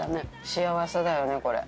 幸せだよねこれ。